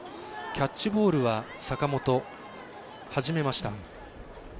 キャッチボールは坂本始めました。